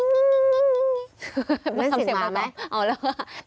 มันทำเสียงประกอบเอาแล้วค่ะ